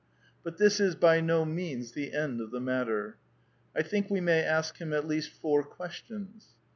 But this is by no means the end of the matter. I think we may ask him at least four questions.